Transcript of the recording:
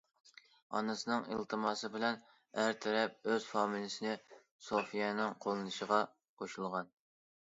ئانىسىنىڭ ئىلتىماسى بىلەن ئەر تەرەپ ئۆز فامىلىسىنى سوفىيەنىڭ قوللىنىشىغا قوشۇلغان.